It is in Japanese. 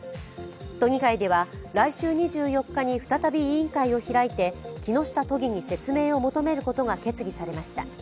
都議会では来週２４日に再び委員会を開いて木下都議に説明を求めることが決議されました。